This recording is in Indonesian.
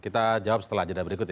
kita jawab setelah jeda berikut ya